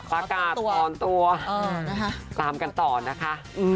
ประกาศตอนตัวตามกันต่อนะคะ